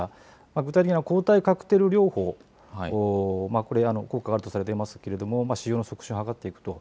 具体的には、抗体カクテル療法、これ効果があるとされていますけれども、使用の促進を図っていくと。